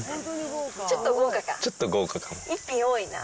ちょっと豪華かな。